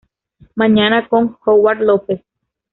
Mañana" con Howard López.